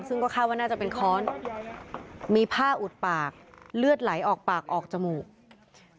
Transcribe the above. ซึ่งก็คาดว่าน่าจะเป็นค้อนมีผ้าอุดปากเลือดไหลออกปากออกจมูก